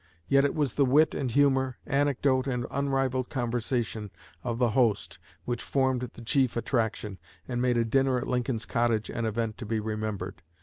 Yet it was the wit and humor, anecdote, and unrivalled conversation of the host which formed the chief attraction and made a dinner at Lincoln's cottage an event to be remembered.